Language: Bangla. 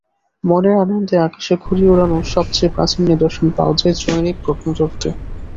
মনের আনন্দে আকাশে ঘুড়ি ওড়ানোর সবচেয়ে প্রাচীন নিদর্শন পাওয়া যায় চৈনিক প্রত্নতত্ত্বে।